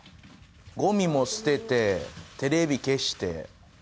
ゴミも捨ててテレビ消して電気消して。